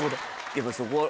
やっぱそこは。